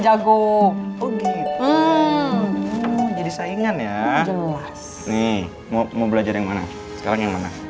mau belajar yang mana sekarang yang mana